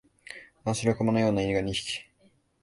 あの白熊のような犬が二匹、